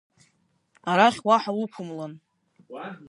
Арахь уаҳа уқәымлан!